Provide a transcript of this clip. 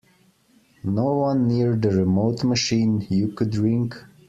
No one near the remote machine you could ring?